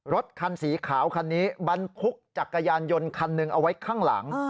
รถคันสีขาวคันนี้บรรทุกจักรยานยนต์คันหนึ่งเอาไว้ข้างหลัง